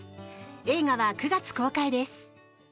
映画は９月公開です。